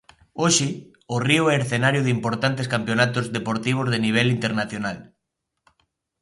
Hoxe, o río é escenario de importantes campionatos deportivos de nivel internacional.